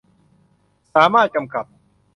สามารถกำกับ